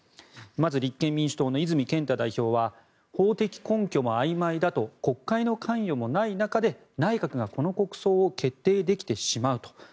まず、立憲民主党の泉健太代表は法的根拠もあいまいだと国会の関与もない中で内閣がこの国葬を決定できてしまうと。